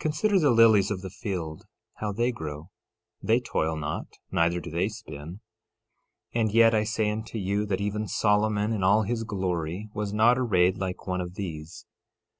Consider the lilies of the field how they grow; they toil not, neither do they spin; 13:29 And yet I say unto you, that even Solomon, in all his glory, was not arrayed like one of these.